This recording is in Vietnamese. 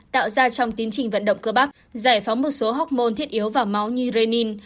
tạo ra trong tiến trình vận động cơ bắp giải phóng một số học môn thiết yếu vào máu như renin